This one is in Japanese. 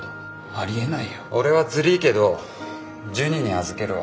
俺はずりぃけどジュニに預けるわ。